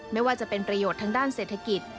ไม่ว่าจะเป็นประโยชน์ทางด้านเศรษฐกิจ